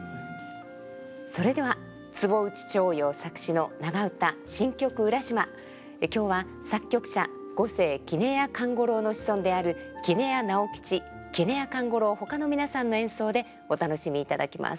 それでは坪内逍遙作詞の長唄「新曲浦島」今日は作曲者五世杵屋勘五郎の子孫である杵屋直杵屋勘五郎ほかの皆さんの演奏でお楽しみいただきます。